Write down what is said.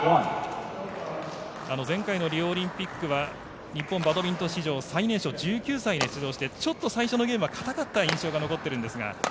前回のリオオリンピックは日本バドミントン史上最年少、１９歳で出場してちょっと最初のゲームは硬かった印象が残っているんですが。